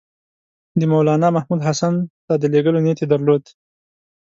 د مولنامحمود حسن ته د لېږلو نیت یې درلود.